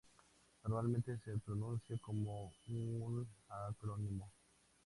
Normalmente se pronuncia como un acrónimo.